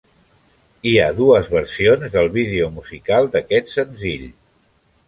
Hi ha dues versions del vídeo musical d'aquest senzill.